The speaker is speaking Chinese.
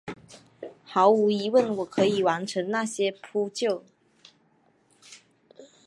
毫无疑问我可以完成那些扑救！